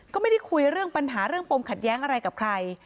ก็ไม่ได้คุยเรื่องปัญหาเรื่องปมขัดแย้งอะไรกับใคร